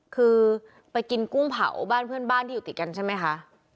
คือไปกินกุ้งเผาบ้านเพื่อนบ้านที่อยู่ติดกันใช่ไหมคะ